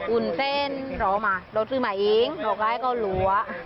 อุ่นเส้นร้อมาร้อซื้อมาเองร้อมาให้เขารั้ว